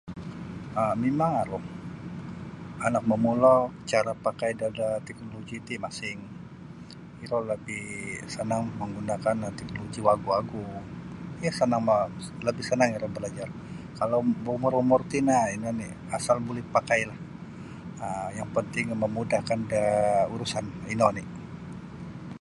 um Mimang aru, anak momulok cara pakai da-da teknologi ti masing, irou lagi sanang menggunakan um teknologi wagu-wagu um lagi sanang irou balajar kalau berumur-umur ti nah ino ni' asal bulih pakailah um yang panting memudahkan da urusan, ino ni.